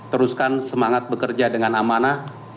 teruskan semangat bekerja dengan amanah